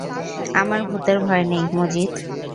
আমার ভূতের ভয় নেই মজিদ।